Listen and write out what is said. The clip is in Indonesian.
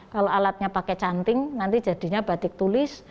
kalau alatnya pakai canting nanti jadinya batik tulis